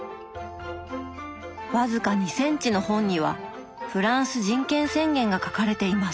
僅か２センチの本には「フランス人権宣言」が書かれています。